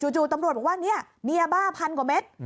จู่ตำรวจบอกว่าเนี่ยมียาบ้าพันกว่าเม็ด